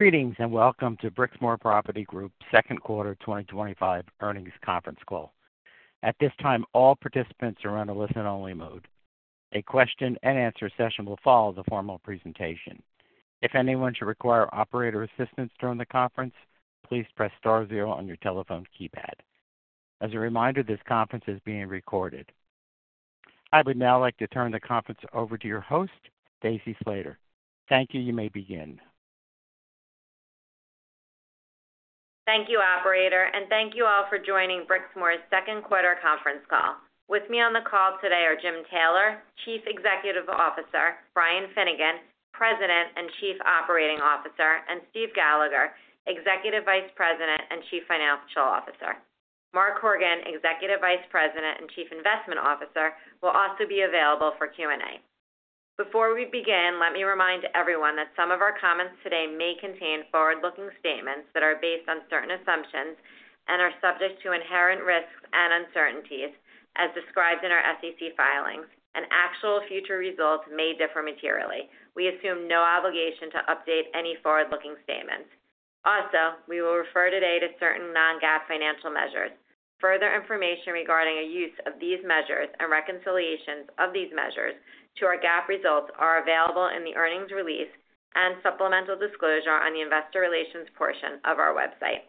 Greetings and welcome to Brixmor Property Group second quarter 2025 earnings conference call. At this time, all participants are in a listen-only mode. A question and answer session will follow the formal presentation. If anyone should require operator assistance during the conference, please press Star zero on your telephone keypad. As a reminder, this conference is being recorded. I would now like to turn the conference over to your host, Stacy Slater. Thank you. You may begin. Thank you, Operator, and thank you all for joining Brixmor's second quarter conference call. With me on the call today are Jim Taylor, Chief Executive Officer, Brian Finnegan, President and Chief Operating Officer, and Steve Gallagher, Executive Vice President and Chief Financial Officer. Mark Horgan, Executive Vice President and Chief Investment Officer, will also be available for Q and A. Before we begin, let me remind everyone that some of our comments today may contain forward-looking statements that are based on certain assumptions and are subject to inherent risks and uncertainties as described in our SEC filings, and actual future results may differ materially. We assume no obligation to update any forward-looking statements. Also, we will refer today to certain non-GAAP financial measures. Further information regarding our use of these measures and reconciliations of these measures, including to our GAAP results, are available in the Earnings Release and Supplemental disclosure on the Investor Relations portion of our website.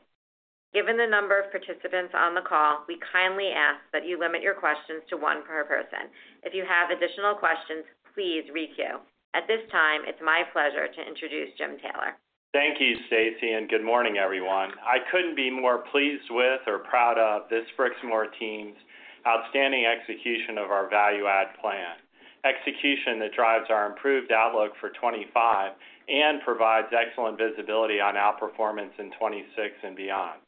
Given the number of participants on the call, we kindly ask that you limit your questions to one per person. If you have additional questions, please re-queue at this time. It's my pleasure to introduce Jim Taylor. Thank you, Stacy, and good morning, everyone. I couldn't be more pleased with or proud of this Brixmor team's outstanding execution of our value add plan execution that drives our improved outlook for 2025 and provides excellent visibility on outperformance in 2026 and beyond.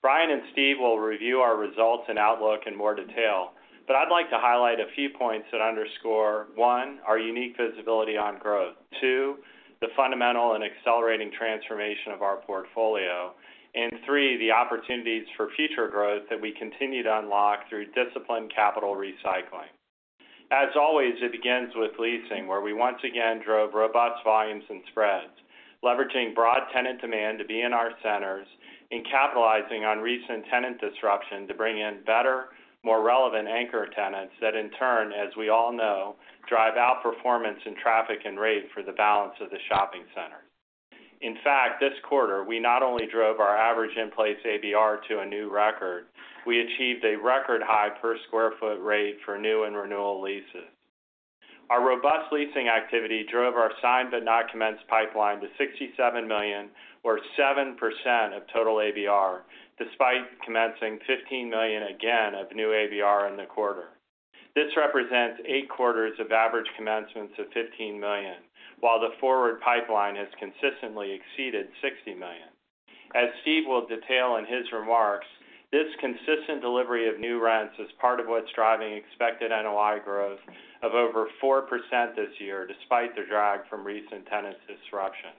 Brian and Steve will review our results and outlook in more detail, but I'd like to highlight a few points that underscore 1 our unique visibility on growth, 2 the fundamental and accelerating transformation of our portfolio, and 3 the opportunities for future growth that we continue to unlock through disciplined capital recycling. As always, it begins with leasing where we once again drove robust volumes and spreads, leveraging broad tenant demand to be in our centers and capitalizing on recent tenant disruption to bring in better, more relevant anchor tenants that in turn, as we all know, drive outperformance in traffic and rate for the balance of the shopping center. In fact, this quarter we not only drove our average in place ABR to a new record, we achieved a record high per square foot rate for new and renewal leases. Our robust leasing activity drove our signed-but-not-commenced pipeline to $67 million or 7% of total ABR. Despite commencing $15 million again of new ABR in the quarter, this represents eight quarters of average commencements of $15 million, while the forward pipeline has consistently exceeded $60 million. As Steve will detail in his remarks, this consistent delivery of new rents is part of what's driving expected NOI growth of over 4% this year, despite the drag from recent tenant disruption.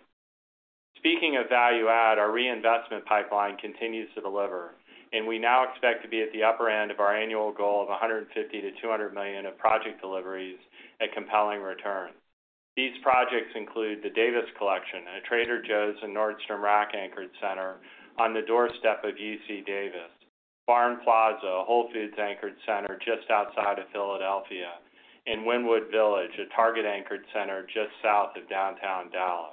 Speaking of value add, our reinvestment pipeline continues to deliver and we now expect to be at the upper end of our annual goal of $150 million to $200 million of project deliveries at compelling returns. These projects include the Davis Collection, a Trader Joe’s and Nordstrom Rack anchored center on the doorstep of UC Davis, Barn Plaza, a Whole Foods anchored center just outside of Philadelphia, and Wynwood Village, a Target anchored center just south of downtown Dallas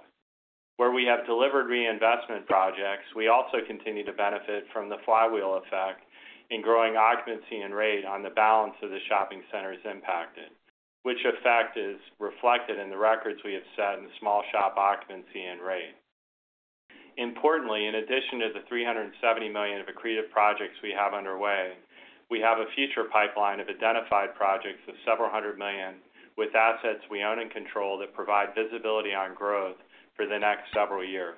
where we have delivered reinvestment projects. We also continue to benefit from the flywheel effect in growing occupancy and rate on the balance of the shopping centers impacted, which effect is reflected in the records we have set in small shop occupancy and rate. Importantly, in addition to the $370 million of accretive projects we have underway, we have a future pipeline of identified projects of several hundred million with assets we own and control that provide visibility on growth for the next several years.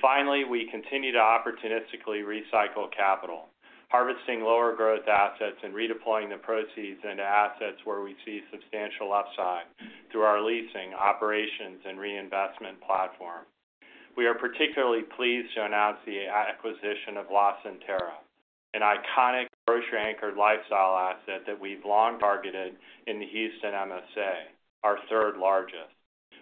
Finally, we continue to opportunistically recycle capital, harvesting lower growth assets and redeploying the proceeds into assets where we see substantial upside through our leasing operations and reinvestment platform. We are particularly pleased to announce the acquisition of LaCenterra, an iconic grocery-anchored lifestyle asset that we've long targeted in the Houston MSA, our third largest,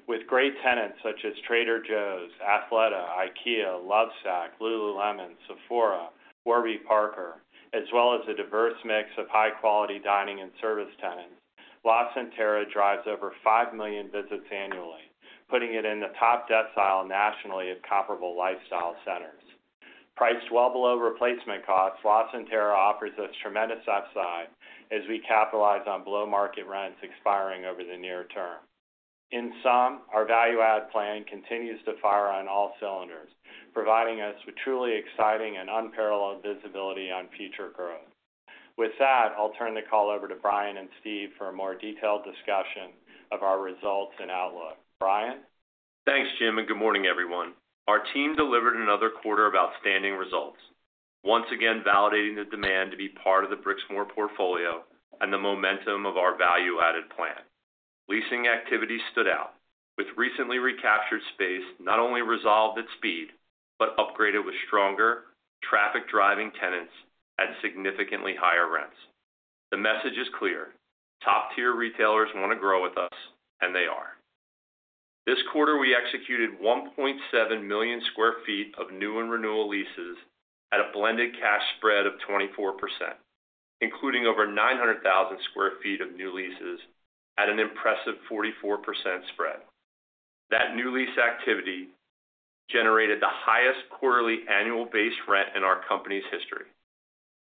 with great tenants such as Trader Joe’s, Athleta, IKEA, Lovesac, Lululemon, Sephora, Warby Parker, as well as a diverse mix of high-quality dining and service tenants. LaCenterra drives over five million visits annually, putting it in the top decile nationally of comparable lifestyle centers priced well below replacement costs. LaCenterra offers us tremendous upside as we capitalize on below market rents expiring over the near term. In sum, our value-add plan continues to fire on all cylinders, providing us with truly exciting and unparalleled visibility on future growth. With that, I'll turn the call over to Brian and Steve for a more detailed discussion of our results and outlook, Brian. Thanks Jim, and good morning everyone. Our team delivered another quarter of outstanding results, once again validating the demand to be part of the Brixmor portfolio and the momentum of our value-added plan. Leasing activity stood out with recently recaptured space not only resolved at speed, but upgraded with stronger traffic-driving tenants at significantly higher rents. The message is clear. Top tier retailers want to grow with us, and they are. This quarter we executed 1.7 million square feet of new and renewal leases at a blended cash spread of 24%, including over 900,000 square feet of new leases at an impressive 44% spread. That new lease activity generated the highest quarterly annual base rent in our company's history.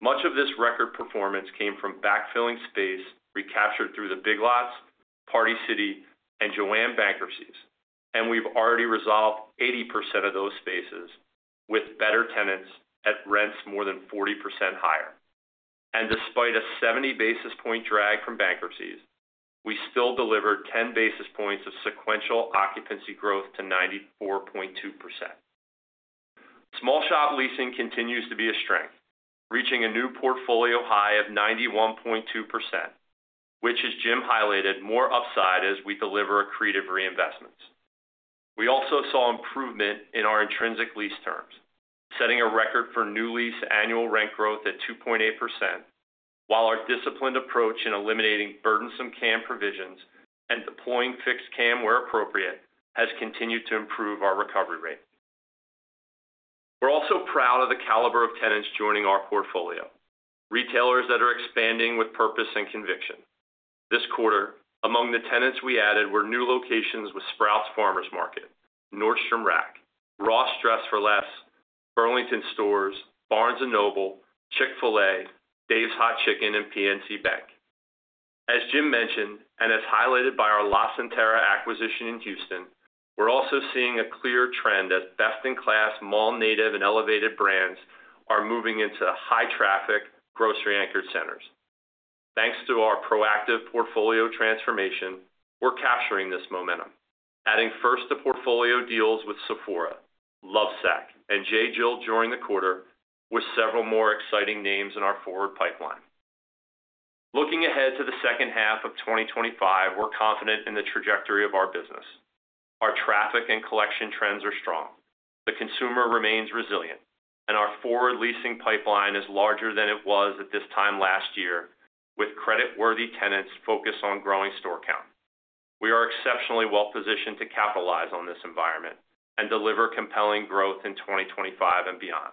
Much of this record performance came from backfilling space recaptured through the Big Lots, Party City, and Joann bankruptcies, and we've already resolved 80% of those spaces with better tenants at rents more than 40% higher. Despite a 70 basis point drag from bankruptcies, we still delivered 10 basis points of sequential occupancy growth to 94.2%. Small shop leasing continues to be a strength, reaching a new portfolio high of 91.2%, which as Jim highlighted, has more upside as we deliver accretive reinvestments. We also saw improvement in our intrinsic lease terms, setting a record for new lease annual rent growth at 2.8%. While our disciplined approach in eliminating burdensome CAM provisions and deploying fixed CAM where appropriate has continued to improve our recovery rate, we're also proud of the caliber of tenants joining our portfolio, retailers that are expanding with purpose and conviction this quarter. Among the tenants we added were new locations with Sprouts Farmers Market, Nordstrom Rack, Ross Dress for Less, Burlington Stores, Barnes and Noble, Chick-fil-A, Dave's Hot Chicken, and PNC Bank. As Jim mentioned, and as highlighted by our LaCenterra acquisition in Houston, we're also seeing a clear trend as best-in-class, mall-native, and elevated brands are moving into high-traffic grocery-anchored centers. Thanks to our proactive portfolio transformation, we're capturing this momentum, adding first-to-portfolio deals with Sephora, Lovesac, and J. Jill during the quarter, with several more exciting names in our forward pipeline looking ahead to the second. Half of 2025, we're confident in the trajectory of our business. Our traffic and collection trends are strong, the consumer remains resilient, and our forward leasing pipeline is larger than it was at this time last year. With creditworthy tenants focused on growing store count, we are exceptionally well positioned to capitalize on this environment and deliver compelling growth in 2025 and beyond.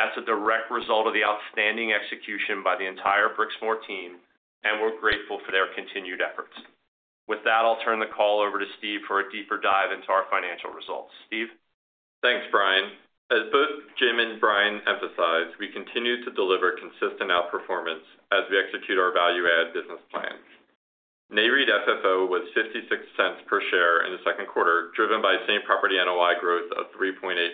That's a direct result of the outstanding execution by the entire Brixmor team, and we're grateful for their continued efforts. With that, I'll turn the call over to Steve for a deeper dive into our financial results. Steve. Thanks Brian. As both Jim and Brian emphasized, we continue to deliver consistent outperformance as we execute our value add business plan. Nareit FFO was $0.56 per share in the second quarter, driven by same property NOI growth of 3.8%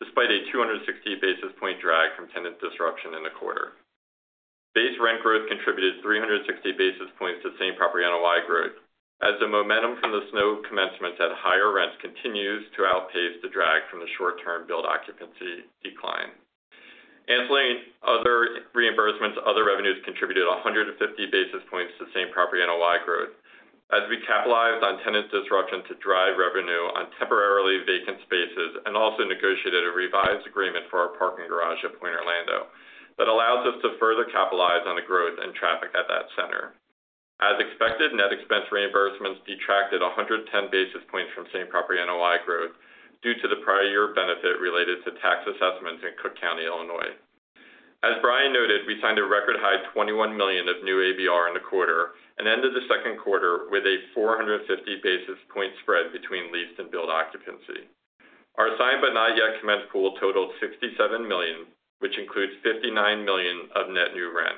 despite a 260 basis point drag from tenant disruption in the quarter. Base rent growth contributed 360 basis points to same property NOI growth as the momentum from the SNOC commencements at higher rents continues to outpace the drag from the short term build occupancy decline. Other reimbursements and other revenues contributed 150 basis points to same property NOI growth as we capitalized on tenant disruption to drive revenue on temporarily vacant spaces and also negotiated a revised agreement for our parking garage at Point Orlando that allows us to further capitalize on the growth traffic at that center. As expected, net expense reimbursements detracted 110 basis points from same property NOI growth due to the prior year benefit related to tax assessments in Cook County, Illinois. As Brian noted, we signed a record high $21 million of new ABR in the quarter and ended the second quarter with a 450 basis point spread between leased and billed occupancy. Our signed-but-not-commenced pool totaled $67 million, which includes $59 million of net new rent.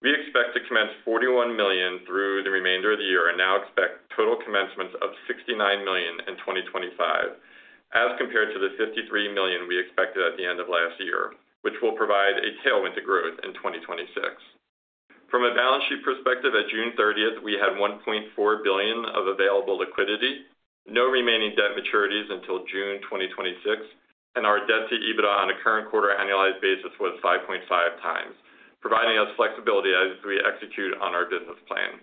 We expect to commence $41 million through the remainder of the year and now expect total commencements of $69 million in 2025 as compared to the $53 million we expected at the end of last year, which will provide a tailwind to growth in 2026. From a balance sheet perspective, at June 30th we had $1.4 billion of available liquidity, no remaining debt maturities until June 2026 and our debt to EBITDA on a current quarter annualized basis was 5.5 times, providing us flexibility as we execute on our business plan.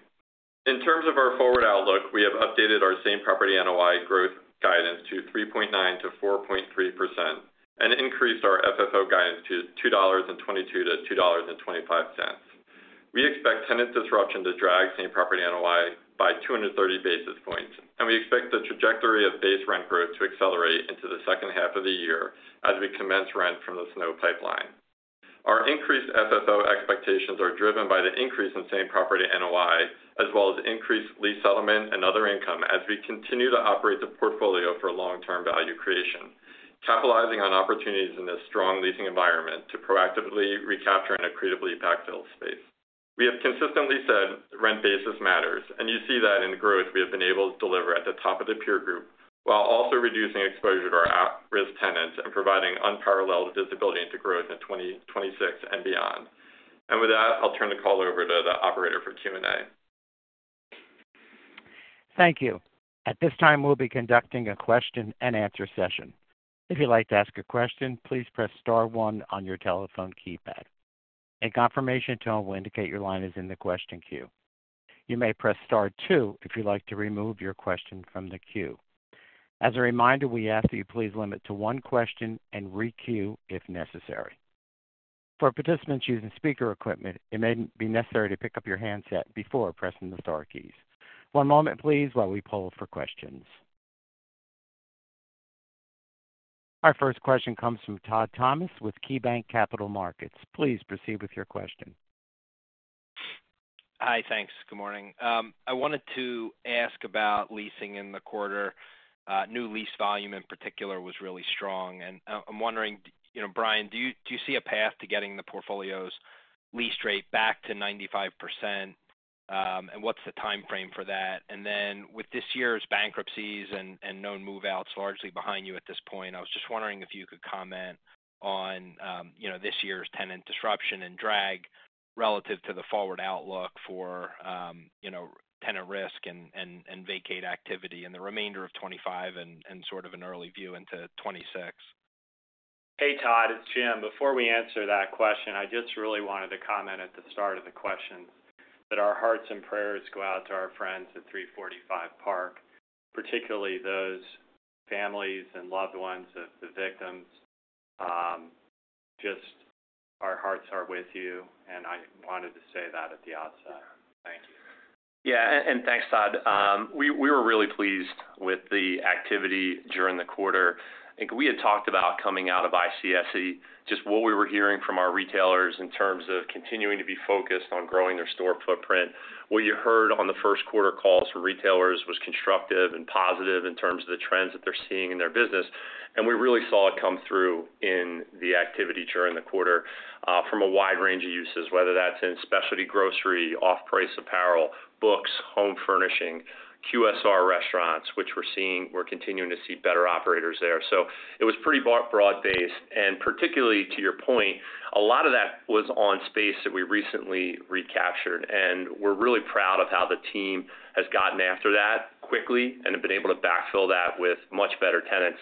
In terms of our forward outlook, we have updated our same property NOI growth guidance to 3.9% to 4.3% and increased our FFO guidance to $2.22 to $2.25. We expect tenant disruption to drag same property NOI by 230 basis points and we expect the trajectory of base rent growth to accelerate into the second half of the year as we commence rent from the signed-but-not-commenced pipeline. Our increased FFO expectations are driven by the increase in same property NOI as well as increased lease settlement and other income as we continue to operate the portfolio for long term value creation, capitalizing on opportunities in this strong leasing environment to proactively recapture and accretively backfill space. We have consistently said rent basis matters and you see that in the growth we have been able to deliver at the top of the peer group while also reducing exposure to our at risk tenants and providing unparalleled visibility into growth in 2026 and beyond. I'll turn the call over to the operator for Q&A. Thank you. At this time we'll be conducting a question and answer session. If you'd like to ask a question, please press star one on your telephone keypad. A confirmation tone will indicate your line is in the question queue. You may press star two if you'd like to remove your question from the queue. As a reminder, we ask that you please limit to one question and requeue if necessary. For participants using speaker equipment, it may be necessary to pick up your handset before pressing the star keys. One moment please, while we poll for questions. Our first question comes from Todd Thomas with KeyBanc Capital Markets. Please proceed with your question. Hi, thanks. Good morning. I wanted to ask about leasing in the quarter. New lease volume in particular was really strong, and I'm wondering, Brian, do you see a path to getting the portfolio's leased rate back to 95%, and what's the timeframe for that? With this year's bankruptcies and known move outs largely behind you at this point, I was just wondering if you could comment on this year's tenant disruption and drag relative to the forward outlook for tenant risk and vacate activity in the remainder of 2025 and sort of an early view into 2026. Hey Todd, it's Jim. Before we answer that question, I just really wanted to comment at the start of the question that our hearts and prayers go out to our friends at 345 Park, particularly those families and loved ones of the victims. Our hearts are with you and I wanted to say that at the outset. Thank you. Yeah, and thanks, Todd. We were really pleased with the activity during the quarter. We had talked about coming out of ICSC, just what we were hearing from our retailers in terms of continuing to be focused on growing their store footprint. What you heard on the first quarter calls from retailers was constructive and positive in terms of the trends that they're seeing in their business, and we really saw it come through in the activity during the quarter from a wide range of uses, whether that's in specialty grocery, off-price, apparel, books, home furnishing, QSR, restaurants, which we're seeing, we're continuing to see better operators there. It was pretty broad based. Particularly to your point, a lot of that was on space that we recently recaptured. We're really proud of how the team has gotten after that quickly and have been able to backfill that with much better tenants.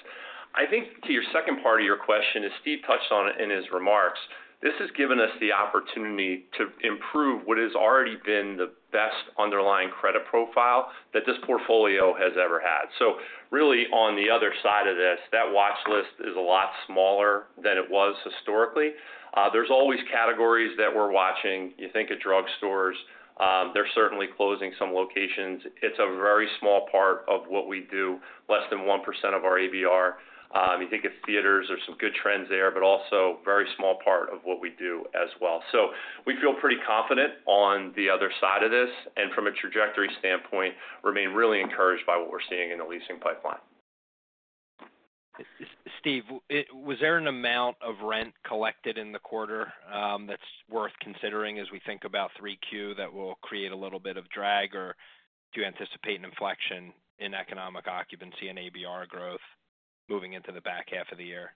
I think to your second part of your question, as Steve touched on in his remarks, this has given us the opportunity to improve what has already been the best underlying credit profile that this portfolio has ever had. We're really on the other side of this. That watch list is a lot smaller than it was historically. There's always categories that we're watching. You think of drugstores, they're certainly closing some locations. It's a very small part of what we do, less than 1% of our ABR. You think of theaters, there's some good trends there, but also very small part of what we do as well. We feel pretty confident on the other side of this and from a trajectory standpoint, remain really encouraged by what we're seeing in the leasing pipeline. Steve, was there an amount of rent collected in the quarter that's worth considering as we think about 3Q that will create a little bit of drag, or do you anticipate an inflection in economic occupancy and ABR growth moving into the back half of the year?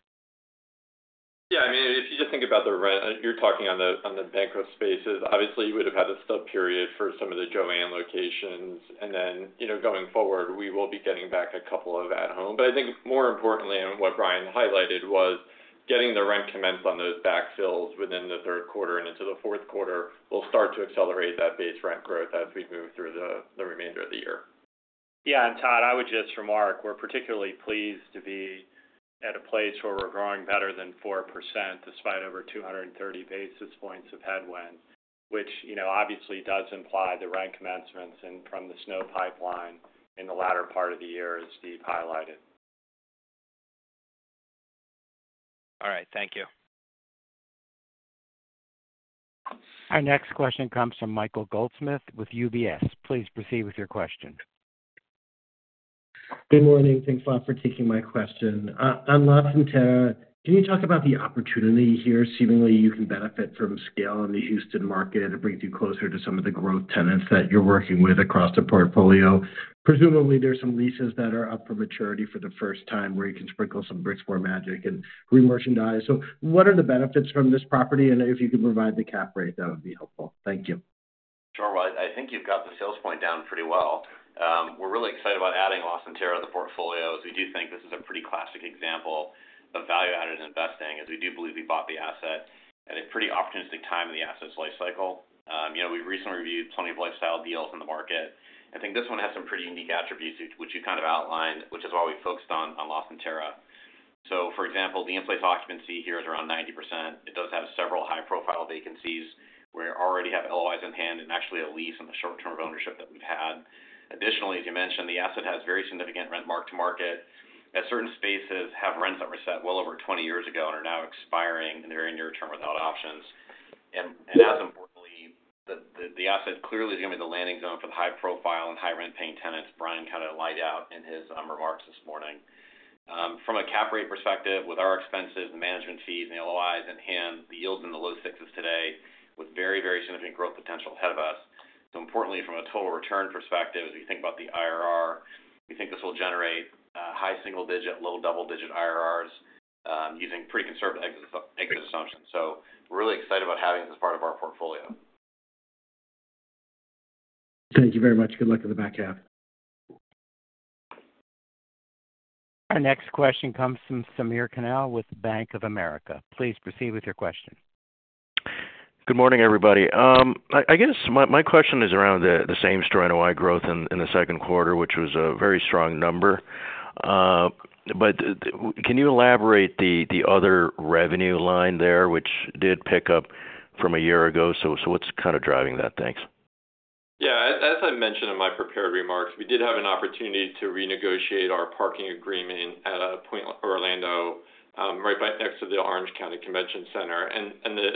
Yeah, I mean, if you just think about the rent, you're talking on the bankrupt spaces. Obviously, you would have had a stub period for some of the Joann locations. Then going forward, we will be getting back a couple of at home. I think more importantly, what Brian highlighted was getting the rent commenced on those backfills within the third quarter into the fourth quarter will start to accelerate that base rent growth as we move through the remainder of the year. Yeah. Todd, I would just remark we're particularly pleased to be at a place where we're growing better than 4% despite over 230 basis points of headwind, which obviously does imply the rent commencements from the signed-but-not-commenced rent pipeline in the latter part of the year, as Steve highlighted. All right, thank you. Our next question comes from Michael Goldsmith with UBS. Please proceed with your question. Good morning. Thanks a lot for taking my question. On LaCenterra, can you talk about the opportunity here? Seemingly you can benefit from scale in the Houston market. It brings you closer to some of the growth tenants that you're working with across the portfolio. Presumably there's some leases that are up for maturity for the first time where you can sprinkle some Brixmor magic and remerchandise. What are the benefits from this property, and if you could provide the cap rate, that would be helpful, thank you. Sure. I think you've got the sales point down pretty well. We're really excited about adding LaCenterra to the portfolio. We do think this is a pretty classic example of value-added investing as we do believe we bought the asset at a pretty opportunistic time in the asset's life cycle. You know, we've recently reviewed plenty of lifestyle deals in the market. I think this one has some pretty unique attributes which you kind of outlined, which is why we focused on LaCenterra. For example, the in-place occupancy here is around 90%. It does have several high-profile vacancies where we already have LOIs in hand and actually a lease in the short term of ownership that we've had. Additionally, as you mentioned, the asset has very significant rent mark-to-market. Certain spaces have rents that were set well over 20 years ago and are now expiring in the very near term without options. As importantly, the asset clearly is going to be the landing zone for the high-profile and high rent-paying tenants. Brian kind of laid out in his remarks this morning from a cap rate perspective with our expenses, the management fees, and the LOIs in hand, the yields are in the low sixes today with very, very significant growth potential ahead of us. Importantly, from a total return perspective, as we think about the IRR, we think this will generate high single-digit, low double-digit IRRs using pretty conservative exit assumptions. Really excited about having this part of our portfolio. Thank you very much. Good luck in the back half. Our next question comes from Samir Khanal with BofA Securities. Please proceed with your question. Good morning, everybody. I guess my question is around the same property NOI growth in the second quarter, which was a very strong number. Can you elaborate the other revenue line there, which did pick up from a year ago. What's kind of driving that? Thanks. Yeah, as I mentioned in my prepared remarks, we did have an opportunity to renegotiate our parking agreement at Point Orlando, right next to the Orange County Convention Center. The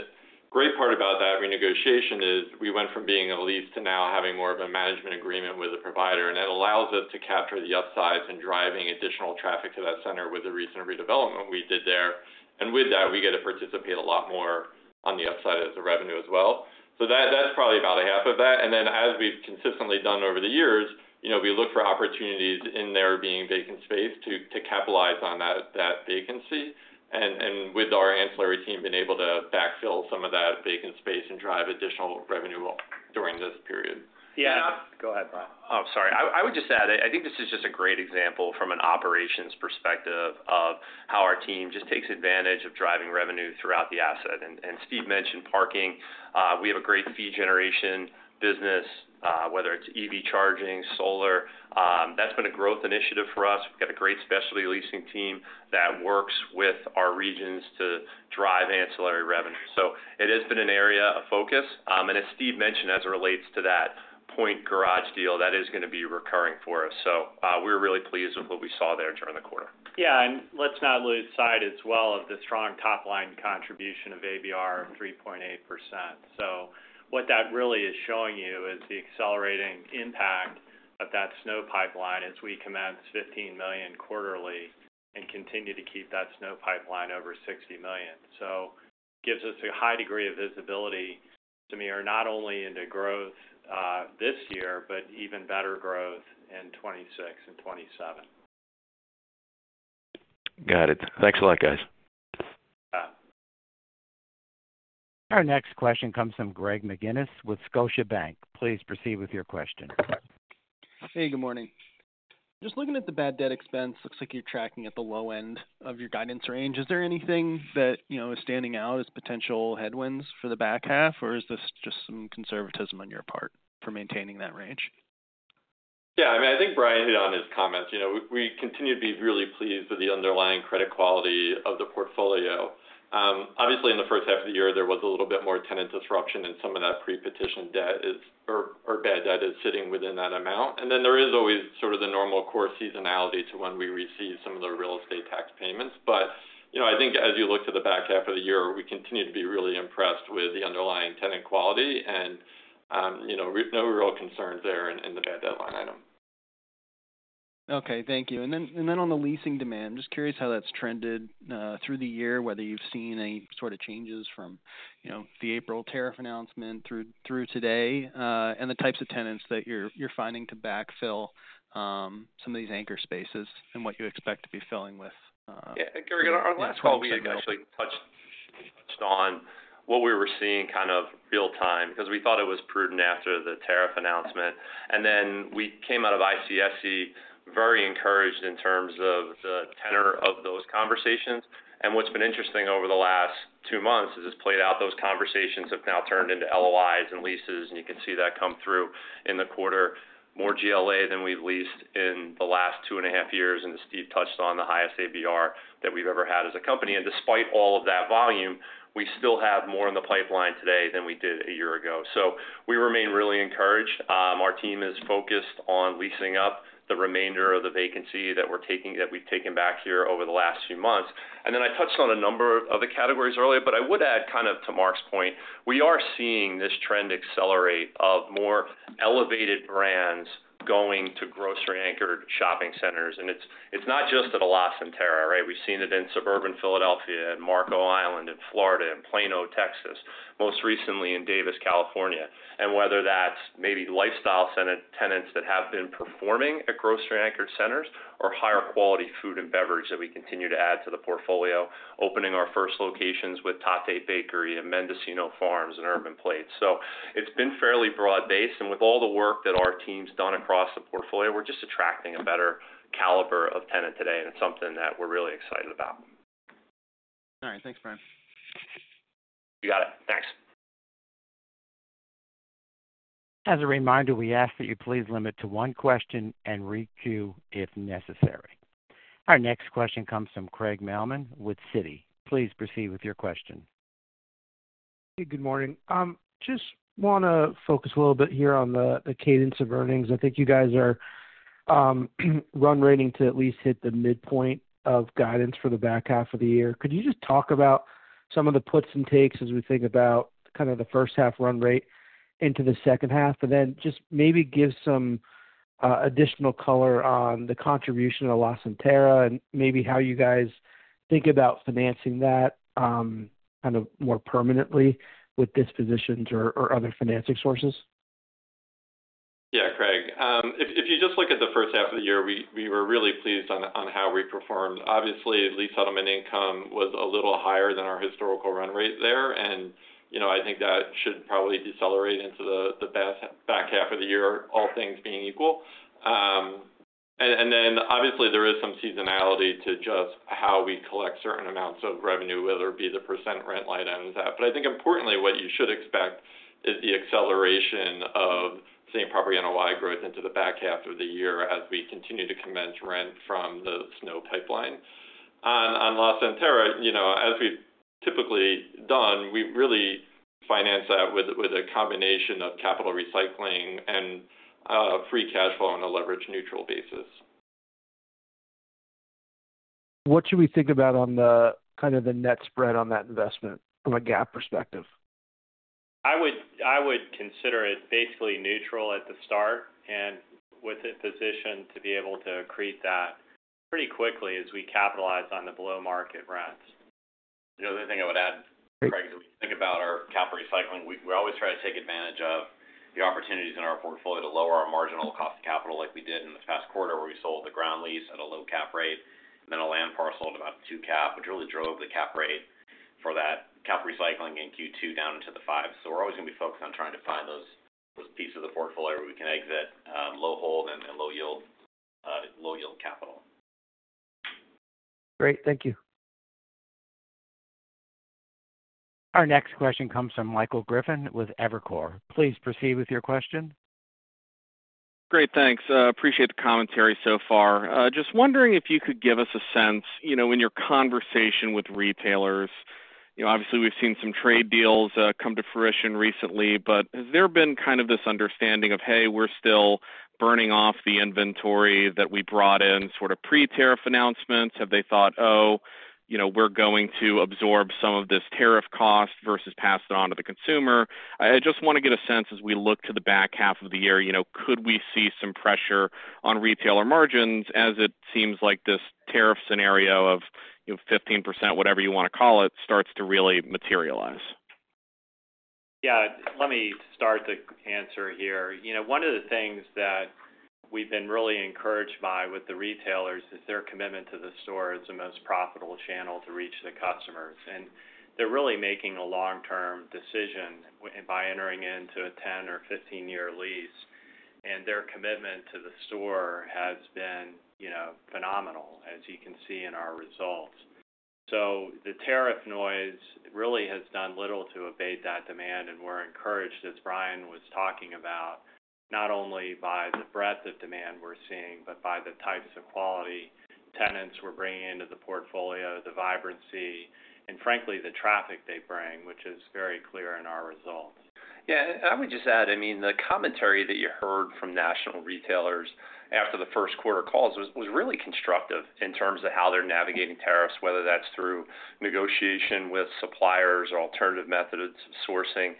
great part about that renegotiation is we went from being a lease to now having more of a management agreement with the person provider, and it allows us to capture the upsides in driving additional traffic to that center with the recent redevelopment we did there. With that, we get to participate a lot more on the upside as a revenue as well, so that's probably about a half of that. As we've consistently done over the years, we look for opportunities in there being vacant space to capitalize on that vacancy. With our ancillary team being able to backfill some of that vacant space and traffic, drive additional revenue during this period. Go ahead, Brian. I would just add, I think this is just a great example from an operations perspective of how our team just takes advantage of driving revenue throughout the asset. Steve mentioned parking. We have a great fee generation business, whether it's EV charging or solar. That's been a growth initiative for us. We've got a great specialty leasing team that works with our regions to drive ancillary revenue. It has been an area of focus and, as Steve mentioned, as it relates to that point garage deal, that is going to be recurring for us. We were really pleased with what we saw there during the quarter. Yeah, and let's not lose sight as well of the strong top line contribution of ABR 3.8%. What that really is showing you is the accelerating impact of that signed-but-not-commenced rent pipeline as we commence $15 million quarterly and continue to keep that signed-but-not-commenced rent pipeline over $60 million. It gives us a high degree of visibility, Samir, not only into growth this year, but even better growth in 2026 and 2027. Got it. Thanks a lot, guys. Our next question comes from Greg McGinniss with Scotiabank. Please proceed with your question. Hey, good morning. Just looking at the bad debt expense. Looks like you're tracking at the low end of your guidance range. Is there anything that is standing out as potential headwinds for the back half, or is this just some conservatism on your part for maintaining that range? Yeah, I mean, I think Brian hit on his comments. We continue to be really pleased with the underlying credit quality of the portfolio. Obviously, in the first half of the year there was a little bit more tenant disruption and some of that pre potential debt or bad debt is sitting within that amount. There is always sort of the normal course seasonality to when we receive some of the real estate tax payments. I think as you look to the back half of the year, we continue to be really impressed with the underlying tenant quality and, you know, no real concerns there in the bad debt line item. Okay, thank you. On the leasing demand, just curious how that's trended through the year. Whether you've seen any sort of changes. From the April tariff announcement through today, and the types of tenants that you're finding to backfill some of these anchor Spaces and what you expect to be filling with. Yeah, Greg, our last call, we actually touched on what we were seeing kind of real time because we thought it was prudent after the tariff announcement. We came out of ICSC very encouraged in terms of the tenor of those conversations. What's been interesting over the last two months as it's played out, those conversations have now turned into LOIs and leases. You can see that come through in the quarter. More GLA than we've leased in the last two and a half years. As Steve touched on, the highest ABR that we've ever had as a company. Despite all of that volume, we still have more in the pipeline today than we did a year ago. We remain really encouraged. Our team is focused on leasing up the remainder of the vacancy that we've taken back here over the last few months. I touched on a number of the categories earlier. I would add, kind of to Mark's point, we are seeing this trend accelerate of more elevated brands going to grocery-anchored shopping centers. It's not just at LaCenterra. Right. We've seen it in suburban Philadelphia, Marco Island in Florida, and Plano, Texas, most recently in Davis, California. Whether that's maybe lifestyle tenants that have been performing at grocery-anchored centers or higher quality food and beverage that we continue to add to the portfolio, opening our first locations with Tate Bakery, Mendocino Farms, and Urban Plates, it's been fairly broad based. With all the work that our team's done across the portfolio, we're just attracting. A better caliber of tenant today. It is something that we're really excited about. All right, thanks, Brian. You got it. Thanks. As a reminder, we ask that you please limit to one question and requeue if necessary. Our next question comes from Craig Mailman with Citi. Please proceed with your question. Good morning. Just want to focus a little bit here on the cadence of earnings. I think you guys are run rating to at least hit the midpoint of guidance for the back half of the year. Could you just talk about some of the puts and takes as we think about kind of the first half run rate into the second half, and then just maybe give some additional color on the contribution of LaCenterra and maybe how you guys think about financing that kind of more permanently with dispositions or other financing sources? Yeah, Craig, if you just look at the first half of the year, we were really pleased on how we performed. Obviously, lease settlement income was a little higher than our historical run rate there, and I think that should probably decelerate into the back half of the year, all things being equal. There is some seasonality to just how we collect certain amounts of revenue, whether it be the percent rent line items. I think importantly what you should expect is the acceleration of same property NOI growth into the back half of the year. As we continue to commence rent from the signed-but-not-commenced rent pipeline on LaCenterra, as we typically have done, we really finance that with a combination of capital recycling and free cash flow on a leverage neutral basis. What should we think about on the kind of the net spread on that investment from a GAAP perspective? I would consider it basically neutral at the start, with it positioned to be able to accrete that pretty quickly as we capitalize on the below market rents. The other thing I would add, Craig, is when we think about our cap recycling, we always try to take advantage of the opportunities in our portfolio to lower our marginal cost of capital, like we did in this past quarter where we sold the ground lease at a low cap rate and then a land parcel at about 2% cap, which really drove the cap rate for that cap recycling in Q2 down into the 5%. We are always going to be focused on trying to find those pieces. The portfolio where we can exit low. Hold and low-yield, low-yield capital. Great, thank you. Our next question comes from Michael Griffin with Evercore. Please proceed with your question. Great, thanks. Appreciate the commentary so far. Just wondering if you could give us a sense in your conversation with retailers. Obviously we've seen some trade deals come to fruition recently, but has there been kind of this understanding of, hey, we're still burning off the inventory that we brought in sort of pre-tariff announcements? Have they thought, oh, you know, we're going to absorb some of this tariff cost versus pass it on to the consumer? I just want to get a sense as we look to the back half of the year, you know, could we see some pressure on retailer margins as it seems like this tariff scenario of 15%, whatever you want to call it, starts to really materialize? Yeah, let me start the answer here. One of the things that we've been really encouraged by with the retailers is their commitment to the store. It's the most profitable channel to reach the customers, and they're really making a long term decision by entering into a 10 or 15 year lease. Their commitment to the store has been phenomenal, as you can see in our results. The tariff noise really has done little to abate that demand. We're encouraged, as Brian was talking about, not only by the breadth of demand we're seeing, but by the types of quality tenants we're bringing into the portfolio, the vibrancy, and frankly, the traffic they bring, which is very clear in our results. Yeah. I would just add, the commentary that you heard from national retailers after the first quarter calls was really constructive in terms of how they're navigating tariffs, whether that's through negotiation with suppliers or alternative methods of sourcing.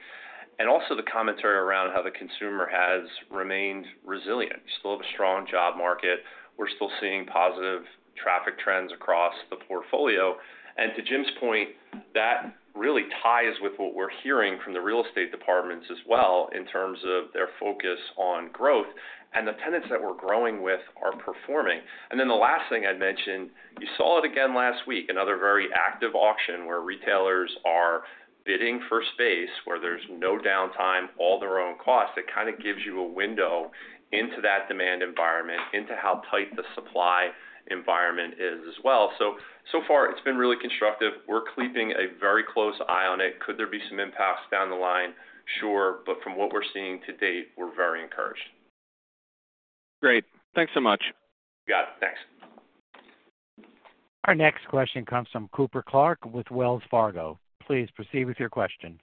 Also, the commentary around how the consumer has remained resilient, still have a strong job market. We're still seeing positive traffic trends across the portfolio. To Jim's point, that really ties with what we're hearing from the real estate departments as well in terms of their focus on growth. The tenants that we're growing with are performing. The last thing I'd mention, you saw it again last week, another very active auction where retailers are bidding for space, where there's no downtime, all their own costs. It kind of gives you a window. Into that demand environment, into how tight the supply environment is as well. So far it's been really constructive. We're keeping a very close eye on it. Could there be some impacts down the line? Sure. From what we're seeing to date, we're very encouraged. Great. Thanks so much. Got it. Thanks. Our next question comes from Cooper Clark with Wells Fargo. Please proceed with your question.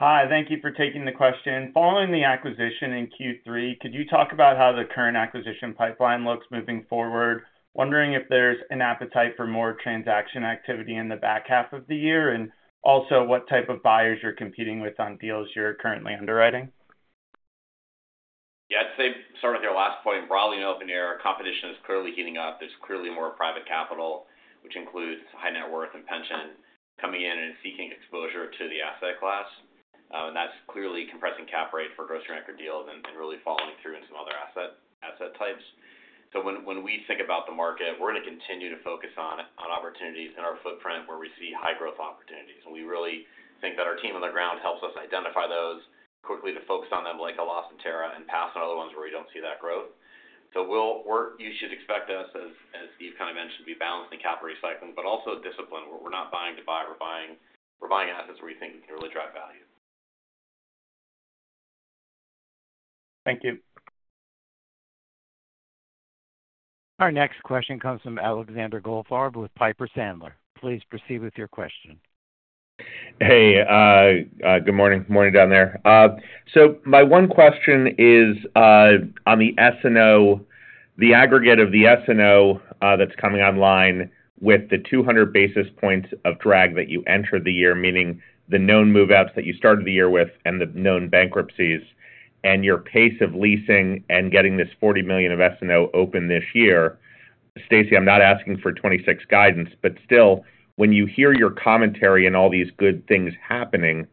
Hi. Thank you for taking the question. Following the acquisition in Q3, could you talk about how the current acquisition pipeline looks moving forward? Wondering if there's an appetite for more transaction activity in the back half of the year, and also what type of buyers you're competing with on deals you're currently underwriting? Yeah, I'd say start with your last point. Broadly, in open-air, competition is clearly heating up. There's clearly more private capital, which includes high net worth and pension, coming in and seeking exposure to the asset class. That's clearly compressing cap rate for gross deals and really following through in some other asset types. When we think about the market, we're going to continue to focus on opportunities in our footprint where we see high growth opportunities. We really think that our team on the ground helps us identify those quickly to focus on them, like LaCenterra, and pass on other ones where we don't see that growth. You should expect us, as Steve kind of mentioned, to be balanced in capital recycling, but also disciplined where we're not buying to buy. We're buying assets where we think we can really drive v alue. Thank you. Our next question comes from Alexander Goldfarb with Piper Sandler. Please proceed with your question. Hey, good morning. Morning down there. My one question is on the SNO. The aggregate of the SNO that's coming online with the 200 basis points of drag that you entered the year, meaning the known move outs that you started the year with and the known bankruptcies and your pace of leasing and getting this $40 million of SNO open this year. Stacy, I'm not asking for 2026 guidance, but still, when you hear your commentary and all these good things happening,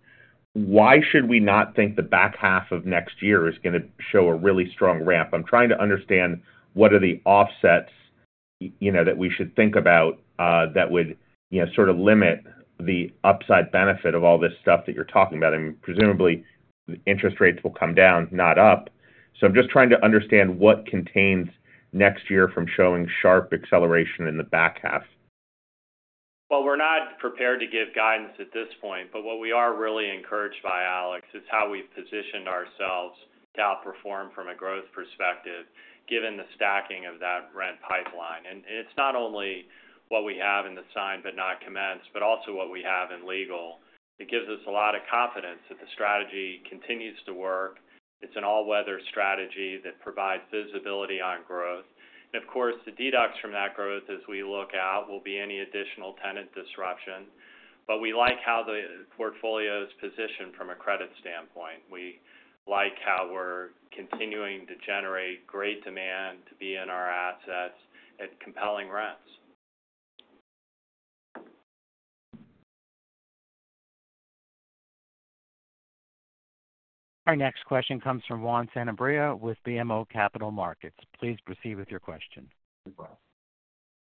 why should we not think the back half of next year is going to show a really strong ramp? I'm trying to understand what are the offsets that we should think about that would limit the upside benefit of all this stuff that you're talking about. Presumably interest rates will come down, not up. I'm just trying to understand what contains next year from showing sharp acceleration in the back half. We're not prepared to give guidance at this point. What we are really encouraged by, Alex, is how we've positioned ourselves to outperform from a growth perspective given the stacking of that rent pipeline. It's not only what we have in the signed-but-not-commenced, but also what we have in legal. It gives us a lot of confidence that the strategy continues to work. It's an all-weather strategy that provides visibility on growth, and of course the deduction from that growth as we look out will be any additional tenant disruption. We like how the portfolio is positioned from a credit standpoint. We like how we're continuing to generate great demand to be in our assets at compelling rents. Our next question comes from Juan Sanabria with BMO Capital Markets. Please proceed with your question.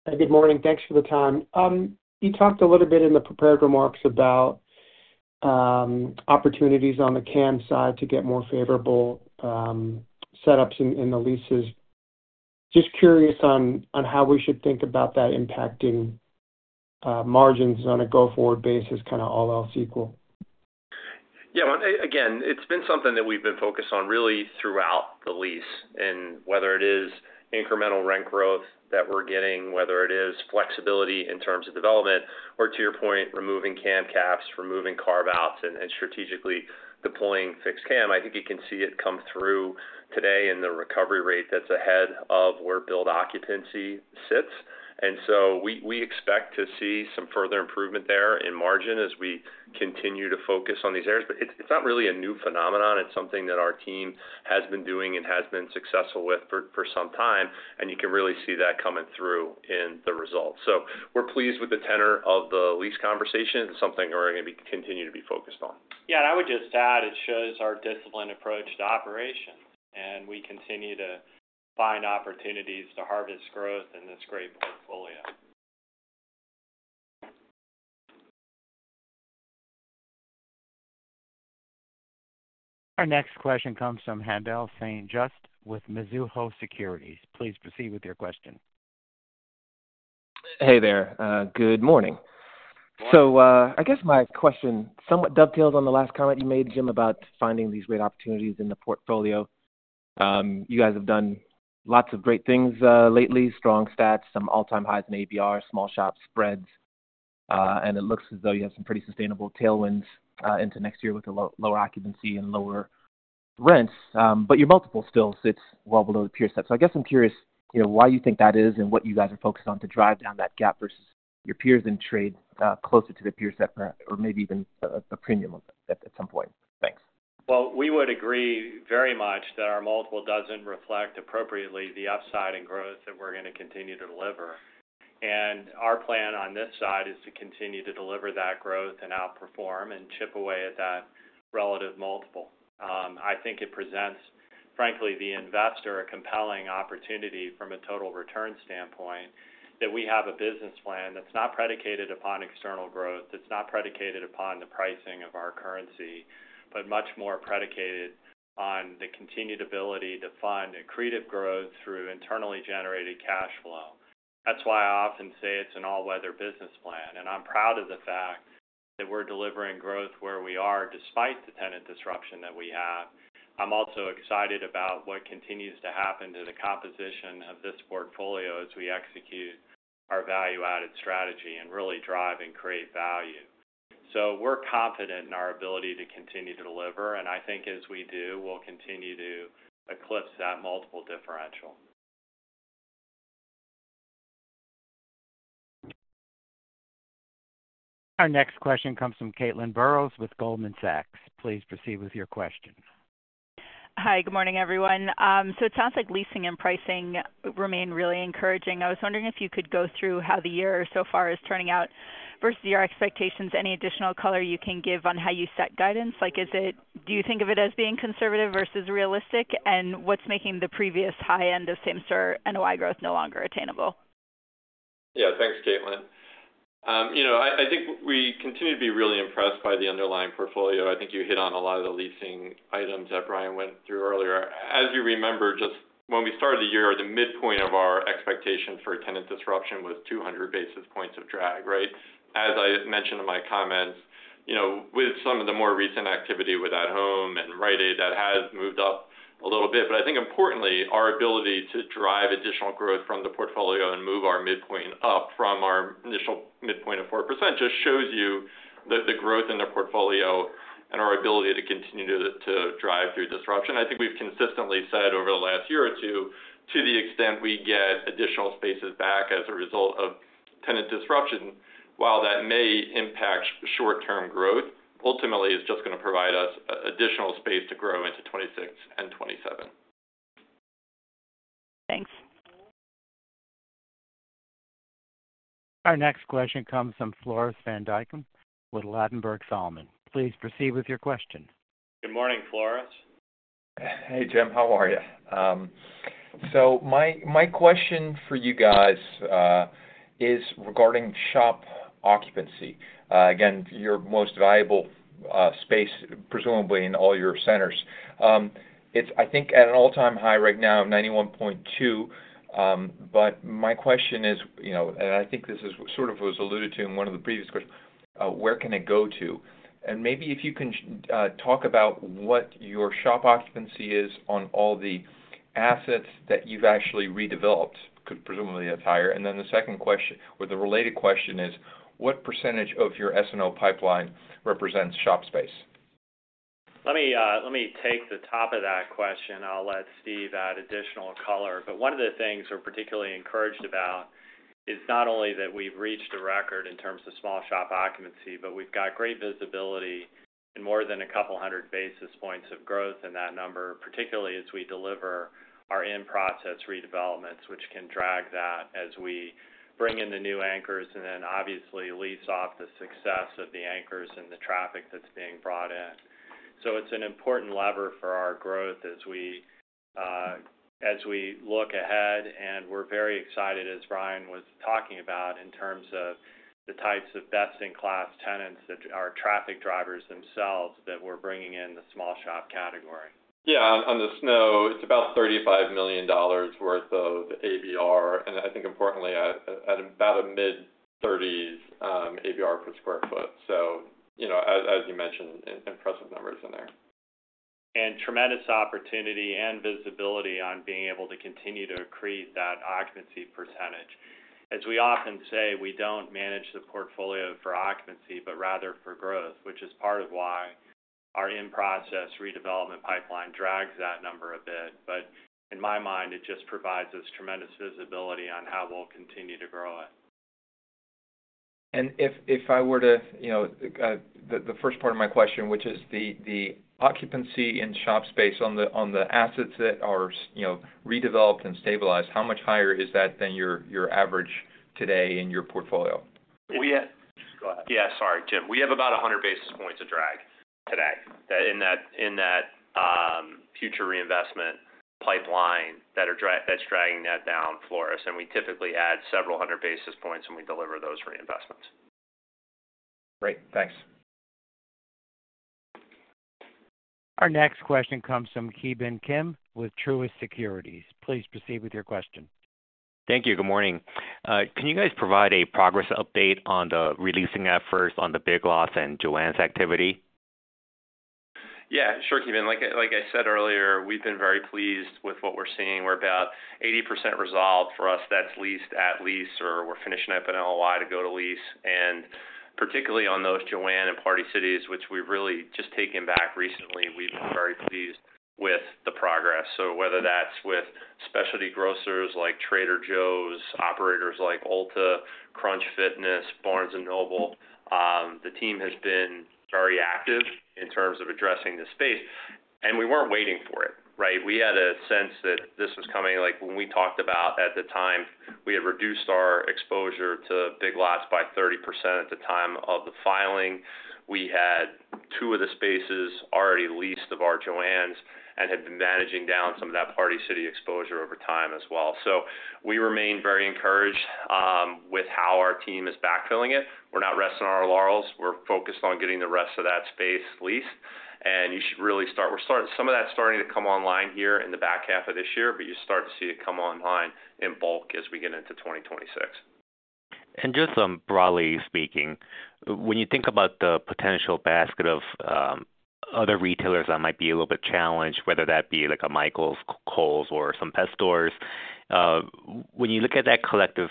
Good morning. Thanks for the time. You talked a little bit in the prepared remarks about opportunities on the CAM side to get more favorable setups in the leases. Just curious on how we should think about that impacting margins on a go forward basis, kind of all else equal. Yeah.Again, it's been something that we've been focused on really throughout the lease, and whether it is incremental rent growth that we're getting, whether it is flexibility in terms of development or, to your point, removing CAM caps, removing carve outs, and strategically deploying fixed CAM, I think you can see it come through today in the recovery rate. That's ahead of where billed occupancy sits, and we expect to see some further improvement there in margin as we continue to focus on these areas. It's not really a new phenomenon. It's something that our team has been doing and has been successful with for some time, and you can really see that coming through in the results. We're pleased with the tenor of the lease conversation and something we're going to continue to be focused on. Yeah, I would just add it shows our disciplined approach to operations, and we continue to find opportunities to harvest growth in this great portfolio. Our next question comes from Haendel St. Juste with Mizuho Securities. Please proceed with your question. Hey there. Good morning. I guess my question somewhat dovetails on the last comment you made, Jim, about finding these great opportunities in the portfolio. You guys have done lots of great things lately. Strong stats, some all-time highs in ABR small shop spreads. It looks as though you have some pretty sustainable tailwinds into next year with a lower occupancy and lower rents. Your multiple still sits well below the peer set. I guess I'm curious, you know, why you think that is and what you guys are focused on to drive down that gap versus your peers and trade closer to the peer set or maybe even the premium at some point. Thanks. We would agree very much that our multiple doesn't reflect appropriately the upside and growth that we're going to continue to deliver. Our plan on this side is to continue to deliver that growth and outperform and chip away at that relative multiple. I think it presents, frankly, the investor a compelling opportunity from a total return standpoint that we have a business plan that's not predicated upon external growth, that's not predicated upon the pricing of our currency, but much more predicated on the continued ability to fund accretive growth through internally generated cash flow. That's why I often say it's an all-weather business plan. I'm proud of the fact that we're delivering growth where we are despite the tenant disruption that we have. I'm also excited about what continues to happen to the composition of this portfolio as we execute our value-added strategy and really drive and create value. We are confident in our ability to continue to deliver and I think as we do, we'll continue to eclipse that multiple differential. Our next question comes from Caitlin Burrows with Goldman Sachs. Please proceed with your question. Hi, good morning everyone. It sounds like leasing and pricing remain really encouraging. I was wondering if you could go through how the year so far has turned out versus your expectations. Any additional color you can give on how you set guidance, like is it, do you think of it as being conservative versus realistic? What's making the previous high end of same property NOI growth no longer attainable? Yeah, thanks, Caitlin. I think we continue to be really impressed by the underlying portfolio. I think you hit on a lot of the leasing items that Brian went through earlier. As you remember, just when we started the year, the midpoint of our expectation for tenant disruption was 200 basis points. Points of drag. Right. As I mentioned in my comments, with some of the more recent activity with At Home and Rite Aid, that has moved up a little bit. I think importantly our ability to drive additional growth from the portfolio and move our midpoint up from our initial midpoint of 4% just shows you the growth in the portfolio and our ability to continue to drive through disruption. I think we've consistently said over the last year or two, to the extent we get additional spaces back as a result of tenant disruption, while that may impact short term growth, ultimately it's just going to provide us additional space to grow into 2026 and 2027. Thanks. Our next question comes from Floris Van Dijkum with Ladenburg Thalmann. Please proceed with your question. Good morning, Floris. Hey Jim, how are you? My question for you guys is regarding shop occupancy. Your most valuable space presumably in all your centers. It's, I think, at an all-time high right now of 91.2%. My question is, you know, and I think this was alluded to in one of the previous questions, where can it go to? Maybe if you can talk about what your shop occupancy is on all the assets that you've actually redeveloped, presumably that's higher. The second question or the related question is what percentage of your SNOC pipeline represents shop space? Let me take the top of that question. I'll let Steve add additional color. One of the things we're particularly encouraged about is not only that we've reached a record in terms of small shop occupancy, but we've got great visibility and more than a couple hundred basis points of growth in that number, particularly as we deliver our in-process redevelopments, which can drag that as we bring in the new anchors and then obviously lease off the success of the anchors and the traffic that's being brought in. It's an important lever for our growth as we look ahead, and we're very excited, as Brian was talking about, in terms of the types of best-in-class tenants that are traffic drivers themselves that we're bringing in. The small shop category. Yeah. On the SNOC, it's about $35 million worth of ABR, and I think importantly at about a mid-30s ABR per square foot. As you mentioned, impressive numbers in. There is tremendous opportunity and visibility on being able to continue to accrete that occupancy percentage. As we often say, we don't manage the portfolio for occupancy, but rather for growth, which is part of why our in-process redevelopment pipeline drags that number a bit. In my mind, it just provides us tremendous visibility on how we'll continue to grow it. If I were to, you know, the first part of my question, which is the occupancy in shop space on the assets that are redeveloped and stabilized, how much higher is that than your average today in your portfolio? Yeah, sorry, Jim. We have about 100 basis points of drag today in that future reinvestment pipeline that's dragging that down, and we typically add several hundred basis points when we deliver those reinvestments. Great, thanks. Our next question comes from Ki Bin Kim with Truist Securities. Please proceed with your question. Thank you. Good morning. Can you guys provide a progress update on the releasing efforts on the Big Lots and Joann activity? Yeah, sure. Kim, like I said earlier, we've been very pleased with what we're seeing. We're about 80% resolved. For us, that's leased, at lease, or we're finishing up an LOI to lease, and particularly on those Joann and Party City spaces, which we've really just taken back recently, we've been very pleased with the progress. Whether that's with specialty grocers like Trader Joe’s, operators like Ulta, Crunch Fitness, Barnes and Noble, the team has been very active in terms of addressing this space and we weren't waiting for it. We had a sense that this was coming. Like when we talked about at the time, we had reduced our exposure to Big Lots by 30%. At the time of the filing, we had two of the spaces already leased of our Joann and had been managing down some of that Party City exposure over time as well. We remain very encouraged with how our team is backfilling it. We're not resting on our laurels. We're focused on getting the rest of that space leased. You should really start to see some of that starting to come online here in. The back half of this year. You start to see it come online in bulk as we get into 2026. Just broadly speaking, when you think about. The potential basket of other retailers that might be a little bit challenged, whether that be like a Michaels, Kohl's, or some pet stores. When you look at that collective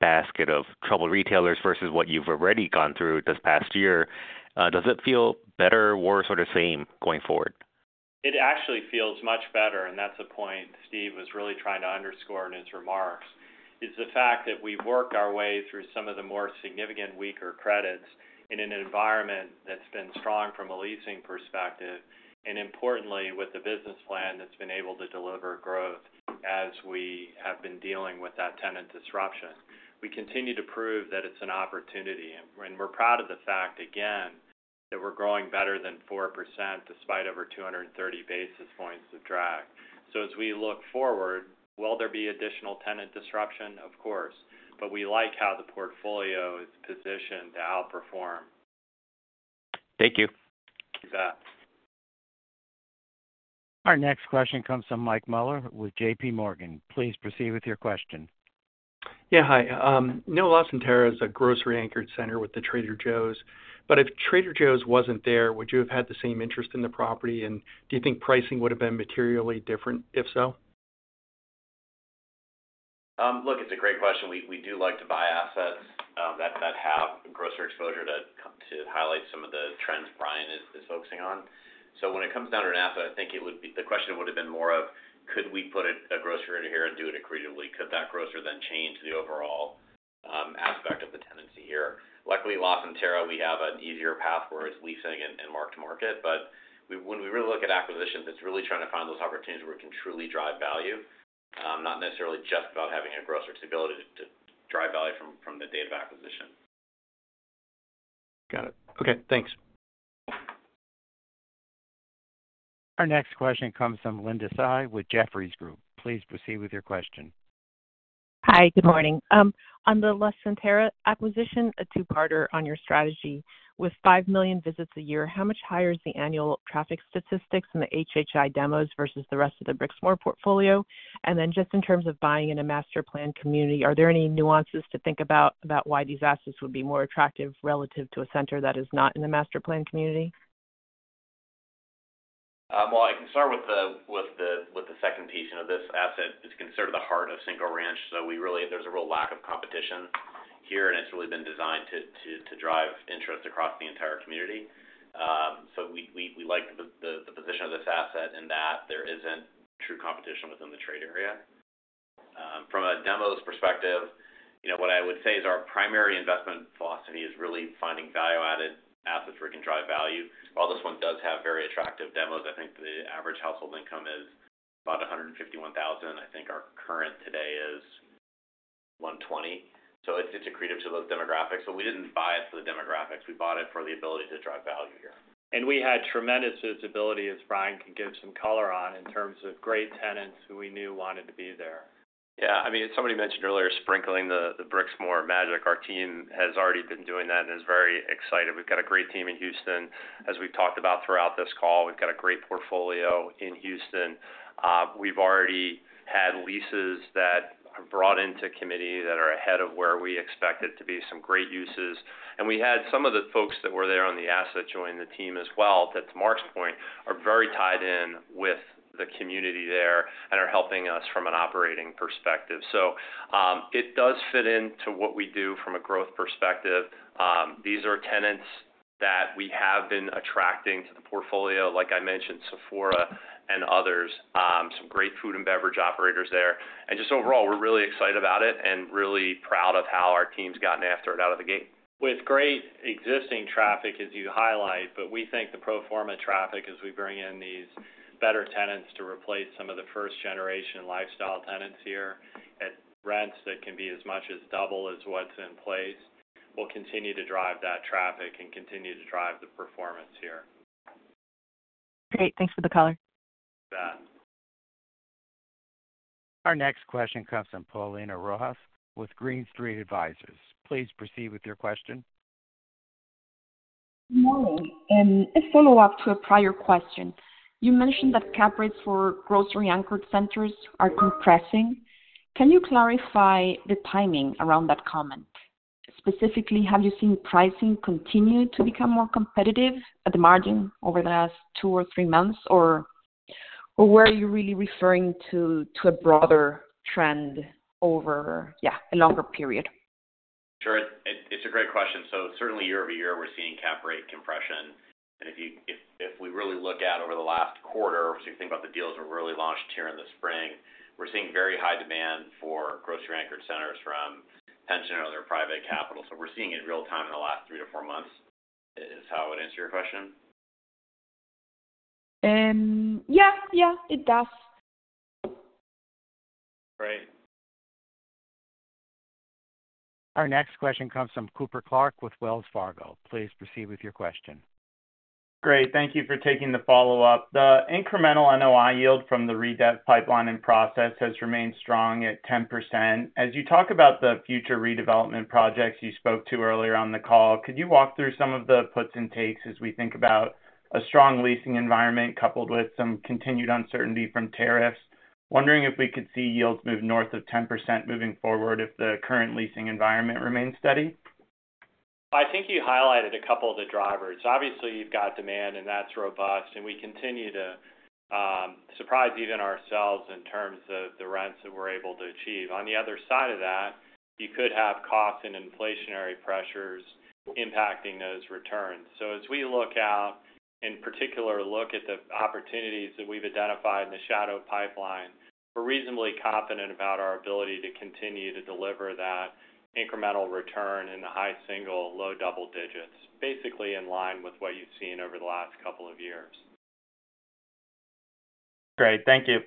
basket. Of troubled retailers versus what you've already. Gone through this past year, does it? Feel better, worse, or the same going forward? It actually feels much better. That is a point Steve Gallagher was really trying to underscore in his remarks, the fact that we worked our way through some of the more significant weaker credits in an environment that's been strong from a leasing perspective, and importantly with the business plan that's been able to deliver growth as we have been dealing with that tenant disruption. We continue to prove that it's an opportunity, and we're proud of the fact again that we're growing better than 4% despite over 230 basis points of drag. As we look forward, will there be additional tenant disruption? Of course. We like how the portfolio is positioned to outperform. Thank you. Our next question comes from Michael Mueller with JPMorgan Chase. Please proceed with your question. Yeah, hi, New LaCenterra is a grocery-anchored center with the Trader Joe’s. If Trader Joe’s wasn’t there, would. You have had the same interest in. The property, and do you think pricing would have been materially different? If so. Look, it's a great question. We do like to buy assets that have grocer exposure to highlight some of the trends Brian is focusing on. When it comes down to an asset, I think the question would have been more of could we put a. Grocery here and do it accretively? Could that grocer then change the overall aspect of the tenancy here? Luckily, LaCenterra, we have an easier path where it's leasing and mark-to-market. When we really look at acquisitions, it's really trying to find those opportunities where it can truly drive value, not necessarily just about having a grocer's stability to drive value from the date of acquisition. Got it. Okay, thanks. Our next question comes from Linda Tsai with Jefferies Group. Please proceed with your question. Hi, good morning. On the LaCenterra acquisition, a two-parter on your strategy: with 5 million visits a year, how much higher is the annual traffic statistics in the HHI demos versus the rest of the Brixmor portfolio? In terms of buying in a master plan community, are there any nuances to think about about why these assets would be more attractive relative to a center that is not in the master plan community? I can start with the second piece. This asset is considered the heart of Cinco Ranch. We really. There's a real lack of competition here, and it's really been designed to drive interest across the entire community. We like the position of this asset in that there isn't true competition within the trade area. From a demos perspective, what I would say is our primary investment philosophy is really finding value-added assets where we can drive value. While this one does have very attractive demos, I think the average household income is about $151,000. I think our current today is $120,000, so it's accretive to those demographics. We didn't buy it for the demographics. We bought it for the ability to drive value here. We had tremendous visibility, as Brian can give some color on, in terms of great tenants who we knew wanted to be there. Yeah, I mean somebody mentioned earlier sprinkling the Brixmor Magic. Our team has already been doing that and is very excited. We've got a great team in Houston. As we've talked about throughout this call, we've got a great portfolio in Houston. We've already had leases that are brought into committee that are ahead of where we expected to be, some great uses. We had some of the folks that were there on the asset join the team as well. That's Mark's point. They are very tied in with the community there and are helping us from an operating perspective. It does fit into what we do from a growth perspective. These are tenants that we have been attracting to the portfolio. \ Like I mentioned Sephora and others, some great food and beverage operators there just overall we're really excited about it and really proud of how our team's gotten after it out of the Gate with great existing traffic as you highlight. We think the pro forma traffic as we bring in these better tenants to replace some of the first generation lifestyle tenants here at rents that can be as much as double what's in place will continue to drive that traffic and continue to drive the performance here. Great. Thanks for the call. Beth. Our next question comes from Paulina Rojas-Schmidt with Green Street Advisors. Please proceed with your question. Good morning. A follow up to a prior question, you mentioned that cap rates for grocery-anchored centers are compressing. Can you clarify the timing around that comment specifically? Have you seen pricing continue to become more competitive at the margin over the last two or three months? Or were you really referring to a broader trend over a longer period? Sure, it's a great question. Certainly, year over year we're seeing cap rate compression, and if we really look at over the last quarter, you think about the deals that really launched here in the spring, we're seeing very high demand for grocery-anchored centers from pension or other private capital. We're seeing it in real time in the last three to four months. Does that answer your question? Yeah. Yeah, it does. Great. Our next question comes from Cooper Clark with Wells Fargo Securities. Please proceed with your question. Great. Thank you for taking the follow up. The incremental NOI yield from the redevelopment pipeline in process has remained strong at 10%. As you talk about the future redevelopment projects you spoke to earlier on the call, could you walk through some of. The puts and takes as we think. About a strong leasing environment, coupled with some continued uncertainty from tariffs, wondering if. We could see yields move north of 10% moving forward if the current leasing environment remains steady? I think you highlighted a couple of the drivers. Obviously you've got demand and that's robust, and we continue to surprise even ourselves in terms of the rents that we're able to achieve. On the other side of that, you could have cost and inflationary pressures impacting those returns. As we look out, in particular look at the opportunities that we've identified in the shadow pipeline, we're reasonably confident about our ability to continue to deliver that incremental return in the high single, low double digits, basically in line with what you've seen over the last couple of years. Great, thank you.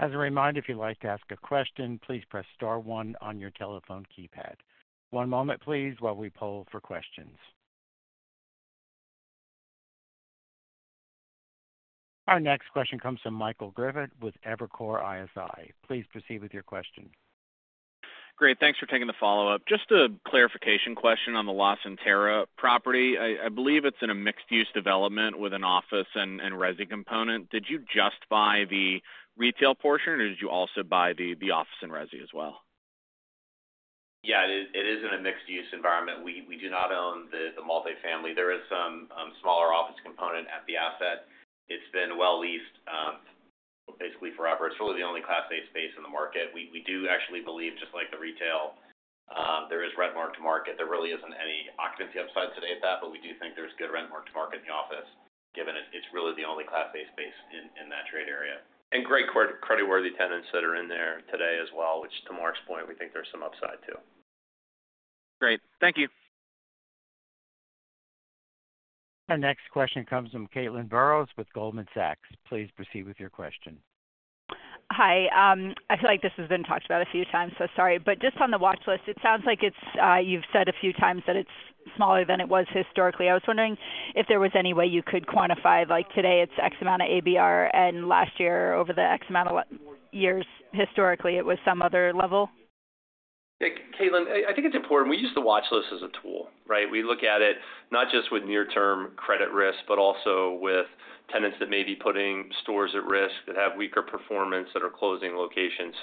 As a reminder, if you'd like to ask a question, please press Star one on your telephone keypad. One moment, please. While we poll for questions, our next question comes from Michael Griffin with Evercore ISI. Please proceed with your question. Great. Thanks for taking the follow up. Just a clarification question. On the LaCenterra property, I believe it's in a mixed use development with an office and Resi component. Did you just buy the retail portion or did you also buy the office in Resi as well? Yeah, it is in a mixed use environment. We do not own the multifamily. There is some smaller office component at the asset. It's been, basically forever, leased. It's really the only class A space in the market. We do actually believe, just like the retail, there is rent mark to market. There really isn't any occupancy upside today at that. We do think there's good rent mark to market in the office, given it's really the only class A space. In that trade area and great creditworthy tenants that are in there today as well, which to Mark's point, we think there's some upside too. Great, thank you. Our next question comes from Caitlin Burrows with Goldman Sachs. Please proceed with your question. Hi,I feel like this has been talked about a few times, so sorry, but just on the watch list, it sounds like you've said a few times that it's smaller than it was historically. I was wondering if there was any way you could quantify, like today it's X amount of ABR, and last year, over the X amount of years, historically it was some other level. Caitlin, I think it's important we use the watch list as a tool. Right. We look at it not just with near-term credit risk, but also with tenants that may be putting stores at risk, that have weaker performance, that are closing locations.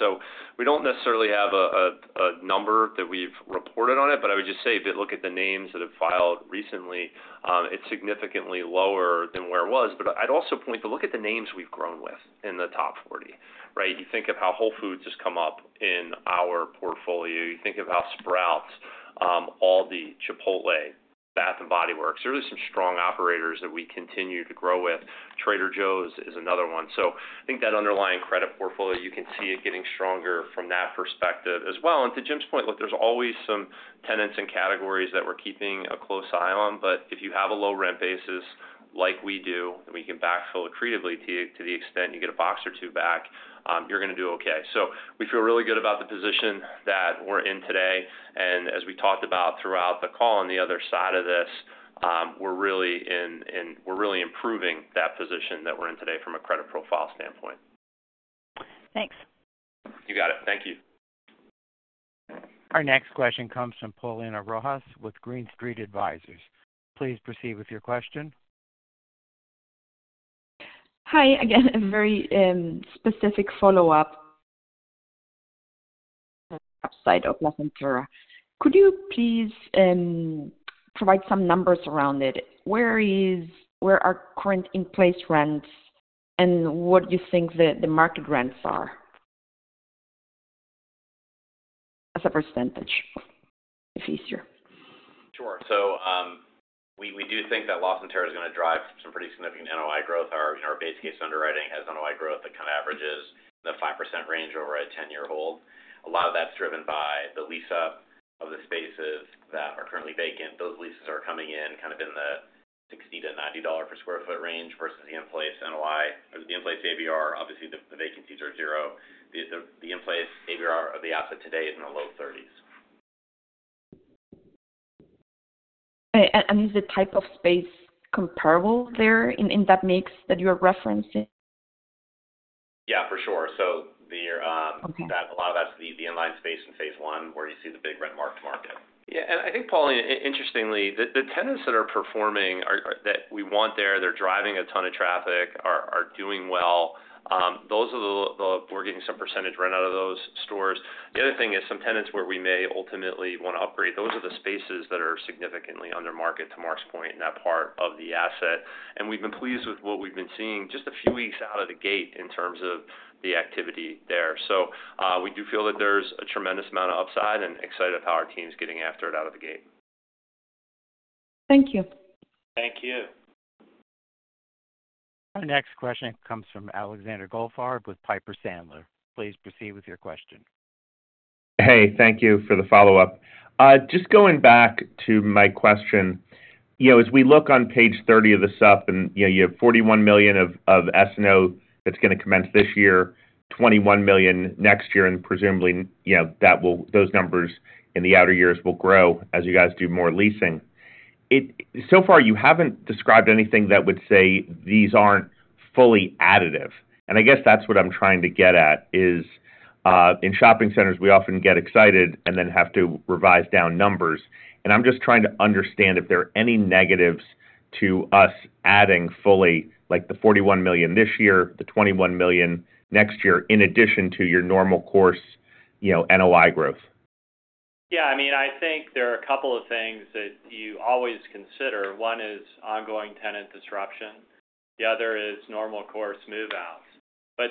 We don't necessarily have a number that we've reported on it. I would just say if you look at the names that have filed recently, it's significantly lower than where it was. I'd also point to look at the names we've grown with in the top 40. Right. You think of how Whole Foods has come up in our portfolio. You think of how Sprouts, Aldi, Chipotle, Bath and Body Works. There are some strong operators that we continue to grow with. Trader Joe’s is another one. I think that underlying credit portfolio, you can see it getting stronger from that perspective as well. To Jim’s point, look, there are always some tenants and categories that we’re keeping a close eye on. If you have a low rent basis like we do, we can backfill accretively. To the extent you get a box or two back, you’re going to do okay. We feel really good about the position that we’re in today. As we talked about throughout the call, on the other side of this, we’re really improving that position that we’re in. In today from a credit profile standpoint. Thanks. You got it. Thank you. Our next question comes from Paulina Rojas-Schmidt with Green Street Advisors. Please proceed with your question. Hi again, a very specific follow-up site of LaCenterra. Could you please provide some numbers around it? Where are current in-place rents and what do you think the market rents are? Are. As a percentage if easier? Sure. We do think that LaCenterra is going to drive some pretty significant NOI growth. Our base case underwriting has NOI growth that kind of averages the 5% range over a 10 year hold. A lot of that's driven by the lease-up of the spaces that are currently vacant. Those leases are coming in kind of in the $60 to $90 per square foot range versus the in place NOI. The in place ABR, obviously the vacancies are zero. The in place ABR of the asset today is in the low 30s. Is the type of space comparable there in that mix that you are referencing? Yeah, for sure. A lot of that's the inline space in phase one where you see the big rent mark-to-market. Yeah. I think, Paulina, interestingly, the tenants that are performing that we want there, they're driving a ton of traffic, are doing well. Those are the. We're getting some percentage rent out of those stores. The other thing is some tenants where we may ultimately want to upgrade. Those are the spaces that are significantly under market to Mark's point in that part of the asset, and we've been pleased with what we've been seeing just a few weeks out of the gate in terms of the activity there. We do feel that there's a tremendous amount of upside and excited how our team's getting after it out of the gate. Thank you. Thank you. Our next question comes from Alexander Goldfarb with Piper Sandler. Please proceed with your question. Hey, thank you for the follow up. Just going back to my question. As we look on page 30 of the SUP and you have $41 million of SNOC that's going to commence this year, $21 million next year, and presumably those numbers in the outer years will grow as you guys do more leasing. So far you haven't described anything that would say these aren't fully additive. I guess that's what I'm trying to get at is in shopping centers we often get excited and then have to revise down numbers. I'm just trying to understand if there are any negatives to us adding fully like the $41 million this year, the $21 million next year, in addition to your normal course NOI growth. Yeah, I mean, I think there are a couple of things that you always consider. One is ongoing tenant disruption, the other is normal course move outs.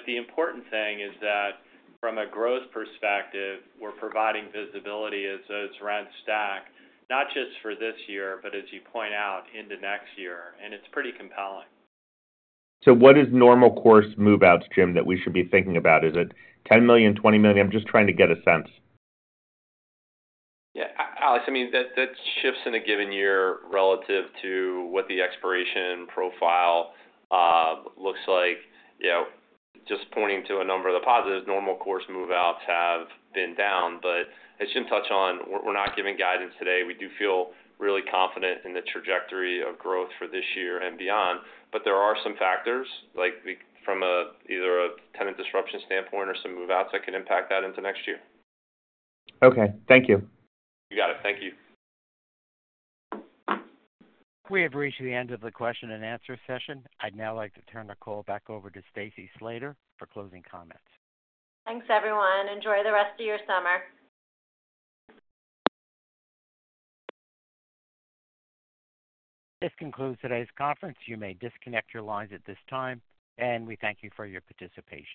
The important thing is that from a growth perspective, we're providing visibility as those rents stack, not just for this year, but as you point out, into next year. It's pretty compelling. What is normal course move outs, Jim, that we should be thinking about? Is it $10 million, $20 million? I'm just trying to get a sense. Yeah, Alex. I mean, that shifts in a given year relative to what the expiration profile looks like, just pointing to a number of the positives. Normal course move outs have been down, as Jim touched on. We're not giving guidance today. We do feel really confident in the trajectory of growth for this year and beyond. There are some factors, like from either a tenant disruption standpoint or some move outs, that could impact that into next year. Okay, thank you. You got it. Thank you. We have reached the end of the question and answer session. I'd now like to turn the call back over to Stacy Slater for closing comments. Thanks, everyone. Enjoy the rest of your summer. This concludes today's conference. You may disconnect your lines at this time. We thank you for your participation.